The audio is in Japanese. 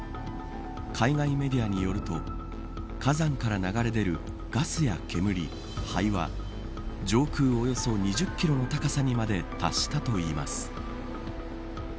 海外メディアによると火山から流れ出るガスや煙灰は、上空およそ２０キロの高さにまで達したといいます。